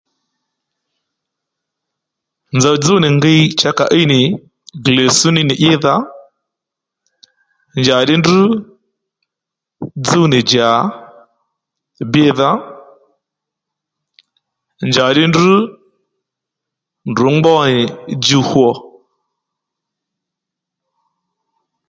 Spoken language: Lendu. Nzòw dzúw nì ngiy cha ka íy nì glesú ní nì ídha njàddí ndrǔ dzúw nì djà bídha njàddí ndrǔ ngbó nì djuw hwo